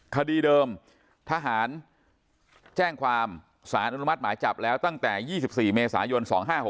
คดีเดิมทหารแจ้งความสารอนุมัติหมายจับแล้วตั้งแต่๒๔เมษายน๒๕๖๖